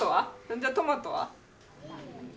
じゃあトマトは？